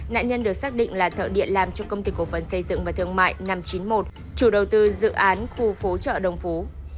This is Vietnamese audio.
nạn nhân được xác định là thợ điện làm cho công ty cổ phần xây dựng và thương mại năm trăm chín mươi một chủ đầu tư dự án khu phố chợ đồng phú